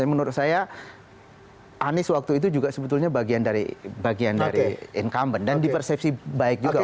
menurut saya anies waktu itu juga sebetulnya bagian dari bagian dari incumbent dan di persepsi baik juga